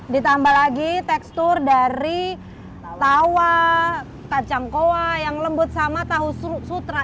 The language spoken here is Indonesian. ditambah lagi tekstur dari tawa kacang koa yang lembut sama tahu sutra